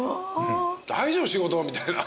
「大丈夫？仕事」みたいな。